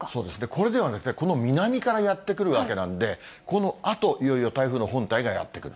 これでは、この南からやって来るわけなんで、このあと、いよいよ台風の本体がやって来る。